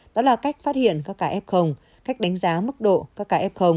đó là cách phát hiện các cá f cách đánh giá mức độ các cá f